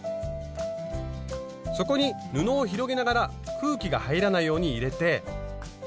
そこに布を広げながら空気が入らないように入れて。